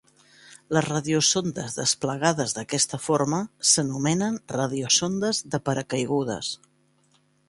Les radiosondes desplegades d'aquesta forma s'anomenen radiosondes de paracaigudes.